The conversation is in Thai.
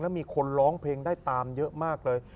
แล้วมีคนร้องเพลงได้ตามเยอะมากเลย